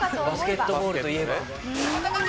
バスケットボールといえば。